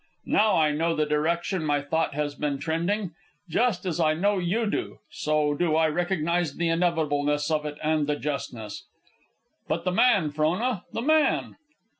now I know the direction my thought has been trending. Just as I know you do, so do I recognize the inevitableness of it and the justness. But the man, Frona, the man?"